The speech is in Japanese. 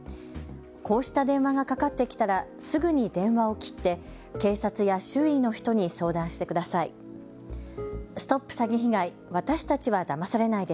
こうした電話がかかってきたらすぐに電話を切って警察や周囲の人に相談してください。